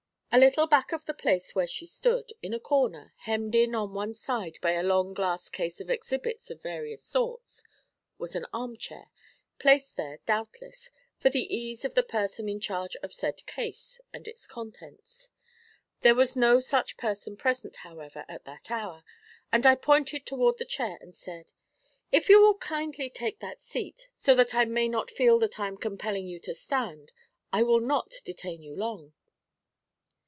A little back of the place where she stood, in a corner, hemmed in on one side by a long glass case of exhibits of various sorts, was an armchair, placed there, doubtless, for the ease of the person in charge of said case and its contents. There was no such person present, however, at that hour, and I pointed toward the chair, and said: 'If you will kindly take that seat, so that I may not feel that I am compelling you to stand, I will not detain you long.'